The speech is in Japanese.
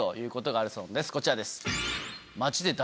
こちらです。